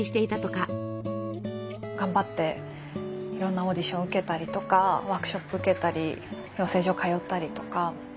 頑張っていろんなオーディションを受けたりとかワークショップ受けたり養成所通ったりとか。